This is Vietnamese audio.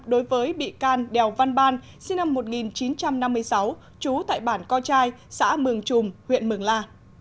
đối với bị can đèo văn ban sinh năm một nghìn chín trăm năm mươi sáu trú tại bản co trai xã mường trùm huyện mường la